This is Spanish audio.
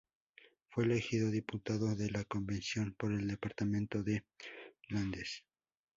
Fue elegido diputado de la Convención por el departamento de Landes.